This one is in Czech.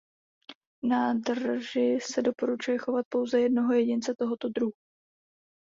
V nádrži se doporučuje chovat pouze jednoho jedince tohoto druhu.